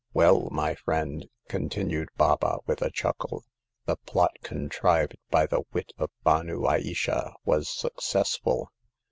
Well, my friend," continued Baba, with a chuckle, the plot contrived by the wit of Banou Ayesha was successful.